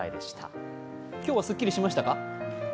今日はすっきりしましたか？